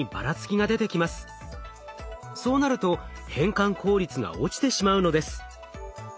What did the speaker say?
そうなると変換効率が落ちてしまうのです。